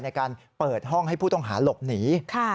ในการเปิดห้องให้ผู้ต้องหาหลบหนี